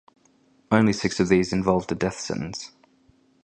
Only six of these involved a death sentence.